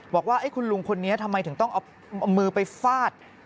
บอกว่าคุณลุงคนนี้ทำไมถึงต้องเอามือไปฟาด